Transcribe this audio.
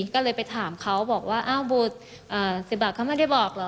ก็เลยไปถามเขาบอกว่าอ้าวบุตร๑๐บาทเขาไม่ได้บอกเหรอ